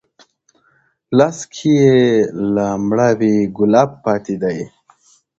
لاس کښې ېې لا مړاوی ګلاب پاتې دی